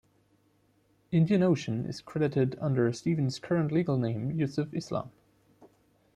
"Indian Ocean" is credited under Stevens' current legal name, Yusuf Islam.